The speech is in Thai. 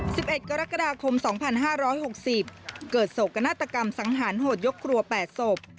สิบเอ็ดกรกฎาคมสองพันห้าร้อยหกสิบเกิดโศกนาฏกรรมสังหารโหดยกครัวแปดศพ